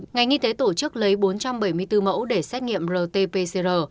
ngành y tế tổ chức lấy bốn trăm bảy mươi bốn mẫu để xét nghiệm rt pcr